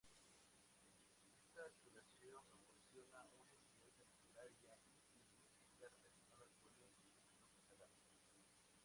Esta titulación proporciona una enseñanza literaria y lingüística relacionada con el contexto catalán.